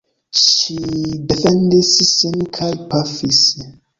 Ŝi defendis sin kaj pafis.